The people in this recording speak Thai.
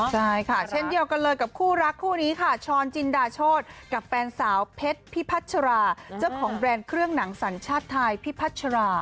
ใช่ค่ะเช่นเดียวกันเลยกับคู่รักคู่นี้ค่ะช้อนจินดาโชธกับแฟนสาวเพชรพิพัชราเจ้าของแบรนด์เครื่องหนังสัญชาติไทยพี่พัชรา